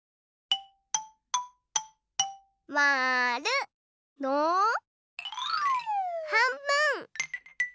まる。のはんぶん！